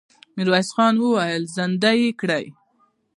ميرويس خان وويل: زندۍ يې کړئ!